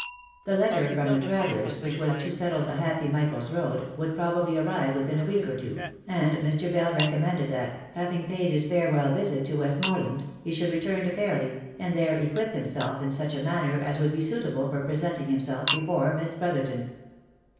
The letter from the travellers, which was to settle the happy Michael's road, would probably arrive within a week or two, and Mr, Bell re commended that, having paid his farewell visit to Westmorland he should return to Fairly, and there equip himself in such a manner as would be suitable for presenting himself before Miss Brotherton.